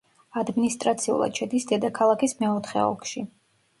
ადმინისტრაციულად შედის დედაქალაქის მეოთხე ოლქში.